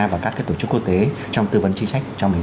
và các tổ chức quốc tế trong tư vấn trí trách cho mình